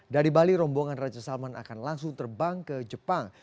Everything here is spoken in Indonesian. dari bali rombongan raja salman akan langsung terbang ke jepang